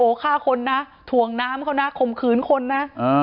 โอ้โหฆ่าคนนะถ่วงน้ำเขานะข่มขืนคนนะ